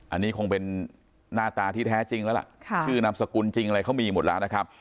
อันนี้คงเป็นหน้าตาที่แท้จริงแล้วล่ะชื่อนามสกุลจริงอะไรเขามีหมดแล้วนะครับ